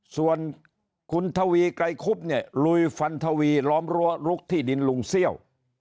ส่วนคุณทวีไกรคุบเนี่ยลุยฟันทวีล้อมรั้วลุกที่ดินลุงเซี่ยว